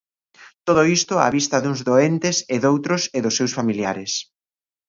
E todo isto á vista duns doentes e doutros e dos seus familiares.